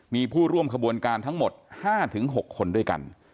มีผู้ร่วมขบวนการทั้งหมด๕๖คนด้วยกัน